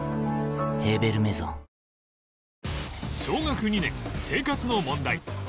小学２年生活の問題